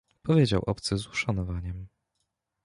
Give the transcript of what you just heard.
"powiedział obcy z uszanowaniem."